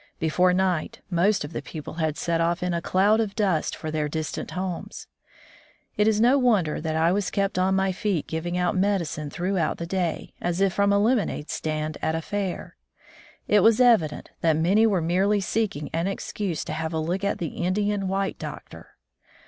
Before night, most of the people had set off in a cloud of dust for their distant homes. It is no wonder that I was kept on my feet giving out medicine throughout that day, as if from a lemonade stand at a fair. It was evident that many were merely seeking an excuse to have a look at the "Indian white doctor.